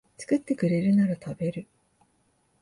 作ってくれるなら食べる